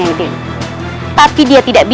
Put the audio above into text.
mas rata santang